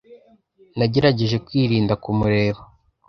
Nagerageje kwirinda kumureba.